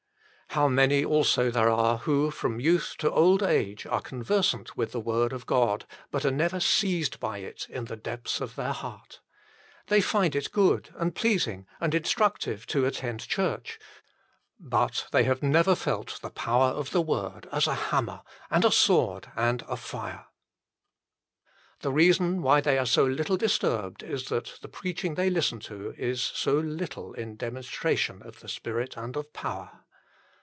How many also there are who from youth to old age are con versant with the Word of God but are never seized by it in the depths of their heart. They find it good, and pleasing, and instructive to attend church, but they have never felt the power of the Word as a hammer, and a sword, and a fire. The reason why they are so little disturbed is that the preaching they listen to is so little in demonstration of the Spirit and of power.